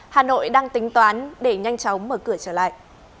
hà nội đang tính toán để nhanh chóng mở cửa trở lại